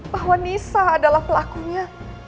bahwa nisa adalah pelakunya